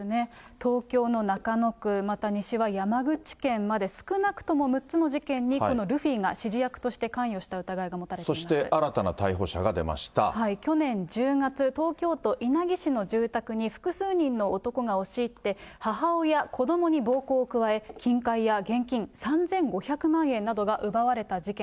東京の中野区、また西は山口県まで、少なくとも６つの事件にこのルフィが指示役として関与した疑いがそして新たな逮捕者が出まし去年１０月、東京都稲城市の住宅に複数人の男が押し入って、母親、子どもに暴行を加え、金塊や現金３５００万円などが奪われた事件。